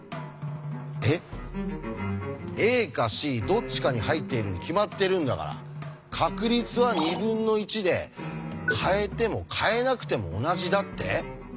どっちかに入っているに決まってるんだから確率は２分の１で変えても変えなくても同じだって？